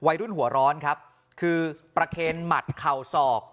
หัวร้อนครับคือประเคนหมัดเข่าศอก